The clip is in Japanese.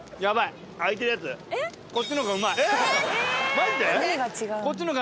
マジで？